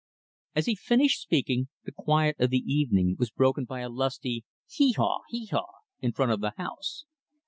As he finished speaking, the quiet of the evening was broken by a lusty, "Hee haw, hee haw," in front of the house.